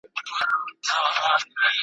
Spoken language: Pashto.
نوی ژوند نوی امید ورته پیدا سو ,